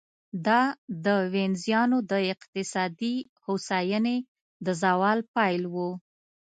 دا د وینزیانو د اقتصادي هوساینې د زوال پیل و